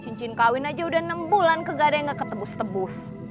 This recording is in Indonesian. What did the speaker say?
cincin kawin aja udah enam bulan kegadah yang nggak ketebus tebus